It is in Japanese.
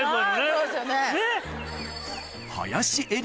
そうですよね。